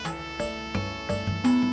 tidak ada yang bisa diberikan